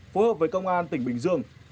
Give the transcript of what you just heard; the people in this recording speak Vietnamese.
phối hợp với công an tỉnh bình dương